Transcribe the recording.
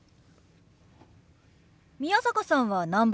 宮坂さんは何番目？